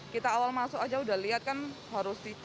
kita awal masuk saja sudah lihat kan harus kita